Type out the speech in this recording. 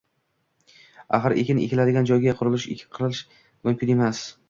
axir ekin ekiladigan joyga qurilish qilish mumkin emas